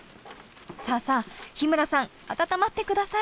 さあさあ日村さん温まって下さい。